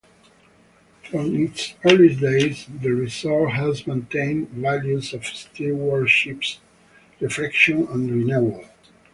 From its earliest days, the resort has maintained values of stewardship, reflection, and renewal.